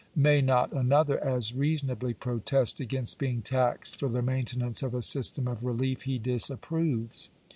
May not another as reasonably protest against being taxed for the maintenance of a system of relief he disapproves